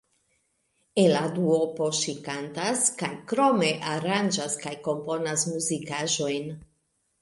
En la duopo ŝi kantas, kaj krome aranĝas kaj komponas muzikaĵojn.